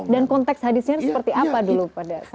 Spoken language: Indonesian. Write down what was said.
dan konteks hadisnya seperti apa dulu pada saat itu ya